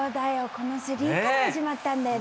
このスリーから始まったんだよね。